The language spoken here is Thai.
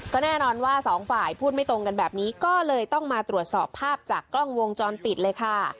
ก็แน่นอนว่าสองฝ่ายพูดไม่ตรงกันแบบนี้ก็เลยต้องมาตรวจสอบภาพจากกล้องวงจรปิดเลยค่ะ